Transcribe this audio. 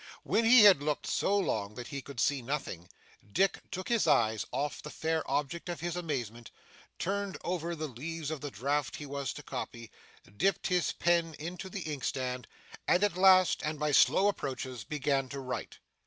When he had looked so long that he could see nothing, Dick took his eyes off the fair object of his amazement, turned over the leaves of the draft he was to copy, dipped his pen into the inkstand, and at last, and by slow approaches, began to write.